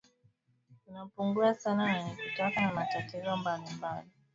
inapungua sana na ni kutokana na matatizo mbalimbali wanayo kumbana nayo katika maeneo asilia